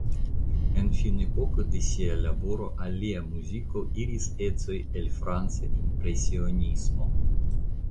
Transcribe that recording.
En finepoko de sia laboro al lia muziko iris ecoj el franca impresionismo.